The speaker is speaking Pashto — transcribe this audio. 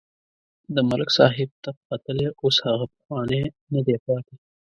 د ملک صاحب تپ ختلی اوس هغه پخوانی نه دی پاتې.